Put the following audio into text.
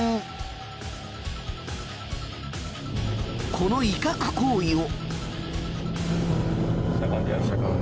この威嚇行為を。